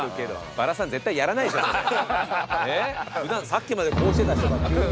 さっきまでこうしてた人が急に。